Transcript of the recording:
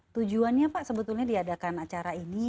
tujuannya pak sebetulnya diadakan acara ini